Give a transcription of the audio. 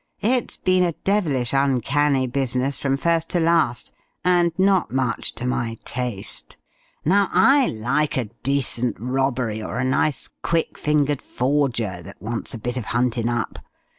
It's been a devilish uncanny business from first to last, and not much to my taste. Now, I like a decent robbery or a nice, quick fingered forger that wants a bit of huntin' up.